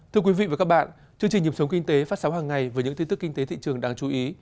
thưa quý vị và các bạn chương trình nhịp sống kinh tế phát sóng hàng ngày với những tin tức kinh tế thị trường đáng chú ý